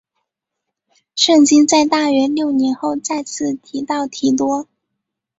圣经在大约六年后再次提到提多。